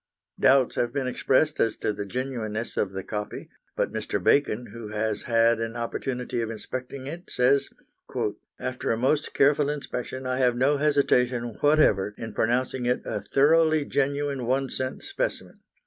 Doubts have been expressed as to the genuineness of the copy, but Mr. Bacon, who has had an opportunity of inspecting it, says: "After a most careful inspection I have no hesitation whatever in pronouncing it a thoroughly genuine one cent specimen.